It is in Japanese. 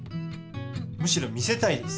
むしろ見せたいです！